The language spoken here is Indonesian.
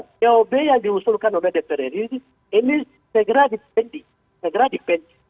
cop yang diusulkan oleh dprd ini segera dipendi